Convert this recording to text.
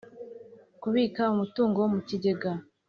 kubika umutungo mu kigega